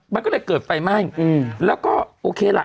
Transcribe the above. มันก็เลยเกิดไฟไหม้แล้วก็โอเคล่ะ